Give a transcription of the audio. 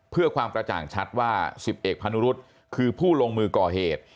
เพื่อความกระจ่างชัดว่า๑๐เอกพานุรุษคือผู้ลงมือก่อเหตุ